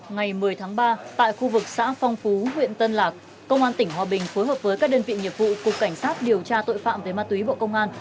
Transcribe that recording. ngày một mươi tháng ba tại khu vực xã phong phú huyện tân lạc công an tỉnh hòa bình phối hợp với các đơn vị nghiệp vụ cục cảnh sát điều tra tội phạm về ma túy bộ công an